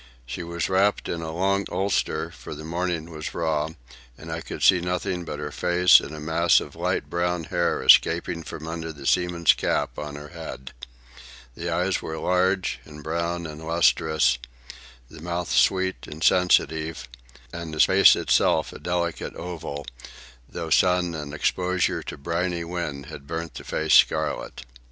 She was wrapped in a long ulster, for the morning was raw; and I could see nothing but her face and a mass of light brown hair escaping from under the seaman's cap on her head. The eyes were large and brown and lustrous, the mouth sweet and sensitive, and the face itself a delicate oval, though sun and exposure to briny wind had burnt the face scarlet.